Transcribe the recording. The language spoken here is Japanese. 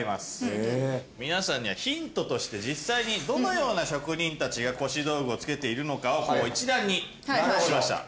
皆さんにはヒントとして実際にどのような職人たちが腰道具を着けているのかを一覧にしました。